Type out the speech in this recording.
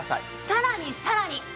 さらにさらに！